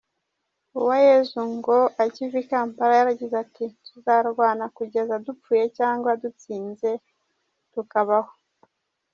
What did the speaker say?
Uwayezu ngo akiva i Kampala yaragize ati “Tuzarwana kugeza dupfuye cyangwa dutsinze tukabaho.